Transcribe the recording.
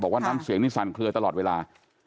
น้ำเสียงนี่สั่นเคลือตลอดเวลา